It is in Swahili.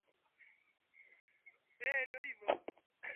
Ni nchi zinazooshwa na Bahari ya Hindi ikiwemo Tanzania